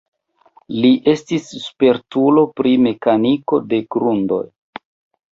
Li estis spertulo pri mekaniko de grundoj.